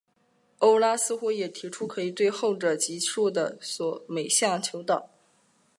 欧拉似乎也提出可以对后者级数的每项求导。